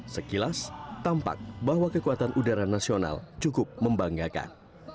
sekilas tampak bahwa kekuatan udara nasional cukup membanggakan